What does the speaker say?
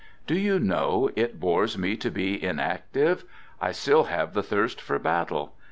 I Do you know, it bores me to be inactive, I still | have the thirst for battle.